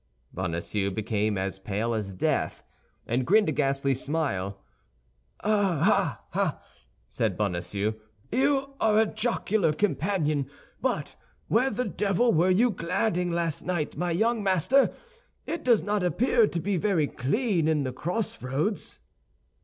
Bonacieux became as pale as death, and grinned a ghastly smile. "Ah, ah!" said Bonacieux, "you are a jocular companion! But where the devil were you gadding last night, my young master? It does not appear to be very clean in the crossroads."